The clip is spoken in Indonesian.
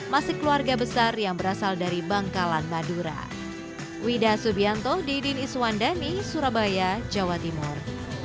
masih keluarga besar yang berasal dari bangkalan madura wida subianto didin iswandani surabaya jawa timur